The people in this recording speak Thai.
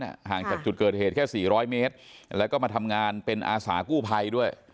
ห่างจากจุดเกิดเหตุแค่สี่ร้อยเมตรแล้วก็มาทำงานเป็นอาสากู้ภัยด้วย